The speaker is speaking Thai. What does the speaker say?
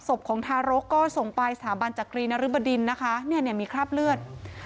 ศพของทารกก็ส่งไปสถาบันจักรีนริบดินนะคะเนี่ยมีคราบเลือด